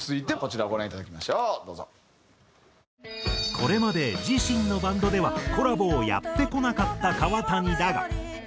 これまで自身のバンドではコラボをやってこなかった川谷だが。